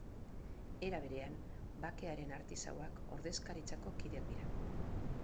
Era berean, bakearen artisauak ordezkaritzako kideak dira.